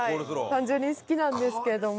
単純に好きなんですけども。